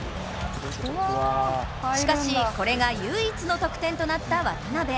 しかしこれが唯一の得点となった渡邊。